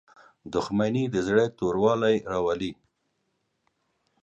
• دښمني د زړه توروالی راولي.